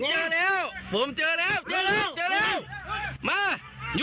หลังโรงพยาบาล